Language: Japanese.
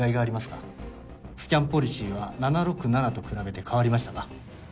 スキャンポリシーは７６７と比べて変わりましたか？